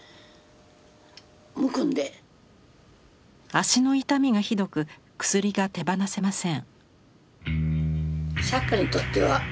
足の痛みがひどく薬が手放せません。